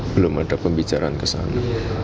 belum ada pembicaraan ke sana